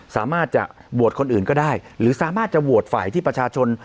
สามารถจะโหวตคนอื่นก็ได้หรือสามารถจะโหวตฝ่ายที่ประชาชน